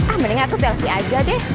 ah mendingan aku selfie aja deh